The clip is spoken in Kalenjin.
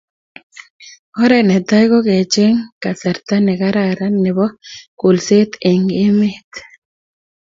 Oret ne tai ko kecheng' kasarta ne karan nebo kolset eng" emet